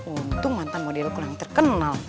untung mantan model kurang terkenal